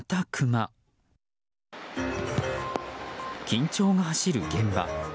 緊張が走る現場。